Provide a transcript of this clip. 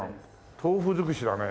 豆腐づくしだね。